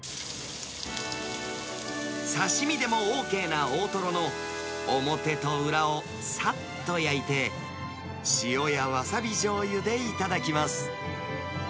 刺身でもＯＫな大トロの表と裏をさっと焼いて、塩やわさびじょうゆで頂きます。